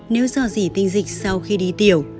nếu do dì tinh dịch sau khi đi tiểu